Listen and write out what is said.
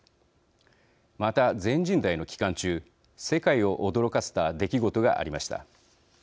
また、全人代の期間中世界を驚かせた出来事がありました。